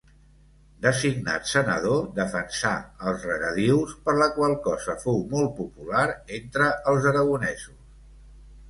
Designat senador defensà els regadius, per la qual cosa fou molt popular entre els aragonesos.